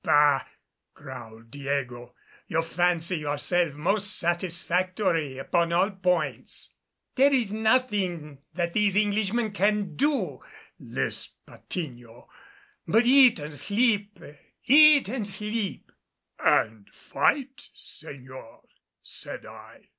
"Bah!" growled Diego. "You fancy yourself most satisfactory upon all points." "There is nothing that these Englishmen can do," lisped Patiño, "but eat and sleep eat and sleep " "And fight, Señor," said I.